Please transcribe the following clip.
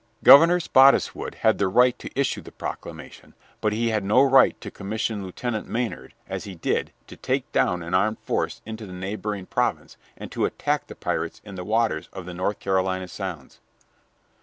Governor Spottiswood had the right to issue the proclamation, but he had no right to commission Lieutenant Maynard, as he did, to take down an armed force into the neighboring province and to attack the pirates in the waters of the North Carolina sounds.